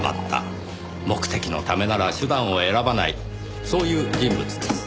目的のためなら手段を選ばないそういう人物です。